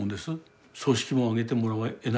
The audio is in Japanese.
葬式もあげてもらえない。